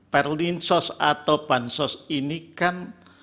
perlinsos atau bansos ini kan